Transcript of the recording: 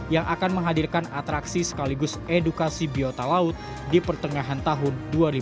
yang akan menghadirkan atraksi sekaligus edukasi biota laut di pertengahan tahun dua ribu dua puluh